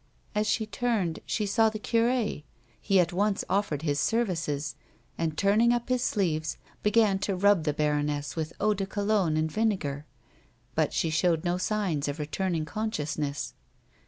As she turned she saw the cure ; he at once offered his services, and, turning up his sleeves, began to rub the baroness with Eau de Cologne and vinegar; but she showed no signs of returning consciousness.